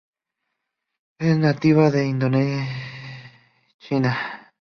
Es nativa de Indochina.